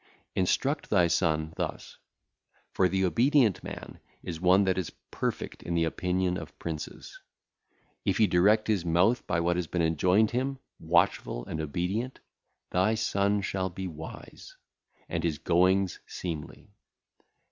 Instruct thy son [thus]; for the obedient man is one that is perfect in the opinion of princes. If he direct his mouth by what hath been enjoined him, watchful and obedient, thy son shall be wise, and his goings seemly.